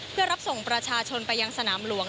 เพื่อรับส่งประชาชนไปยังสนามหลวง